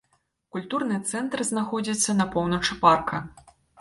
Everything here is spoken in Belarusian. Культурны цэнтр знаходзіцца на поўначы парка.